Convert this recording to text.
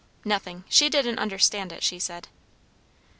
"Nothing. She didn't understand it, she said."